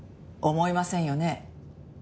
思いませんよね？